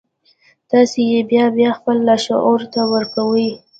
تاسې يې بيا بيا خپل لاشعور ته ورکوئ.